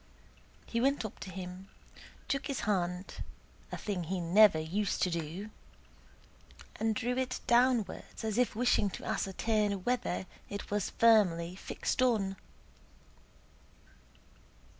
He went up to him, took his hand (a thing he never used to do), and drew it downwards as if wishing to ascertain whether it was firmly fixed on.